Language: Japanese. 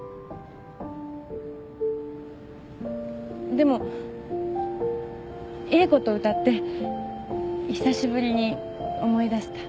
でも英子と歌って久しぶりに思い出した。